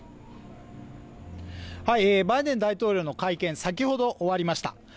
バイデン大統領の会見、先ほど終わりました。